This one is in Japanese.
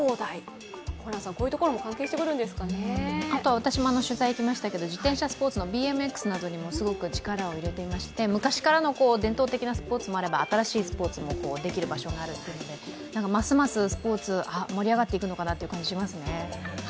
私も取材に行きましたけど、自転車スポーツのＢＭＸなどにもすごく力を入れていまして、昔からの伝統的なスポーツもあれば、新しいスポーツもできるということでますますスポーツが盛り上がっていくのかなという感じがしますね。